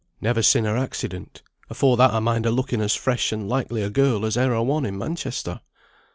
"Never sin' her accident. Afore that I mind her looking as fresh and likely a girl as e'er a one in Manchester."